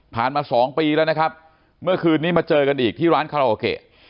มาสองปีแล้วนะครับเมื่อคืนนี้มาเจอกันอีกที่ร้านคาราโอเกะ